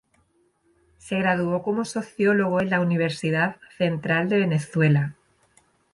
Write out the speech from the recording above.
Se graduó como sociólogo en la Universidad Central de Venezuela.